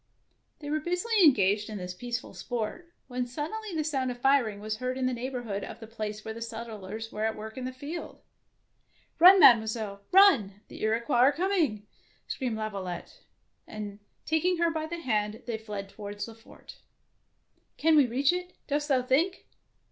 '^ They were busily engaged in this peaceful sport, when suddenly the sound of firing was heard in the neighbour hood of the place where the settlers were at work in the fields. 102 DEFENCE OF CASTLE DANGEKOUS "Run, Mademoiselle, run! The Iro quois are coming,'^ screamed Lavio lette, and taking her by the hand, they fled towards the fort. " Can we reach it, dost thou think?